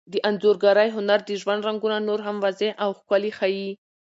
د انځورګرۍ هنر د ژوند رنګونه نور هم واضح او ښکلي ښيي.